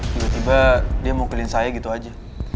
tiba tiba dia mukulin saya gitu aja